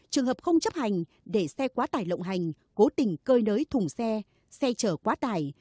trường hợp không chấp hành để xe quá tải lộng hành cố tình cơi nới thùng xe xe chở quá tải